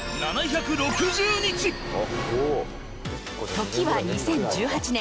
時は２０１８年。